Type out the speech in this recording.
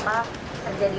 sekarang sudah bisa